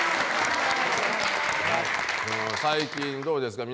最近どうですか？